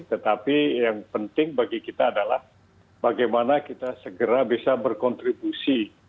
tetapi yang penting bagi kita adalah bagaimana kita segera bisa berkontribusi